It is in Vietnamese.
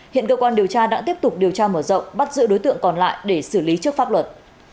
hiện cơ quan điều tra đang tiếp tục điều tra mở rộng bắt giữ đối tượng còn lại để xử lý trước pháp luật